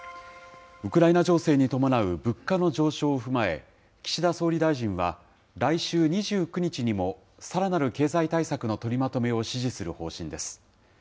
ウクライナ情勢に伴う物価の上昇を踏まえ、岸田総理大臣は、来週２９日にも、さらなる経済対策の取りまとめを指示する方針です。